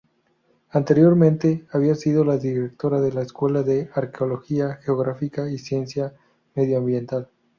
Anteriormente había sido la directora de la Escuela de Arqueología, Geografía y Ciencia Medioambiental.